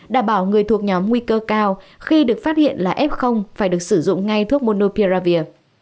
đảm bảo người thuộc nhóm nguy cơ cao khi được phát hiện là f phải được sử dụng ngay thuốc monopia